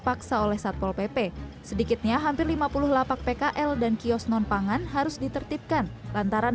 paksa oleh satpol pp sedikitnya hampir lima puluh lapak pkl dan kios non pangan harus ditertipkan lantaran